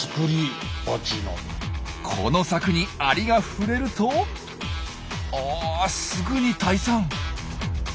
この柵にアリが触れるとあすぐに退散。